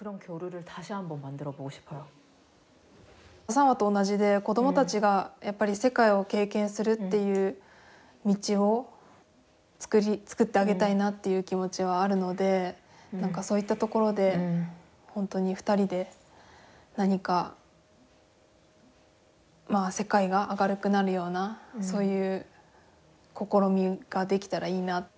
サンファと同じで子どもたちがやっぱり世界を経験するっていう道をつくってあげたいなっていう気持ちはあるので何かそういったところで本当に２人で何か世界が明るくなるようなそういう試みができたらいいな。